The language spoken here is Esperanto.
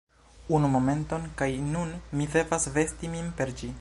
Unu momenton kaj nun mi devas vesti min per ĝi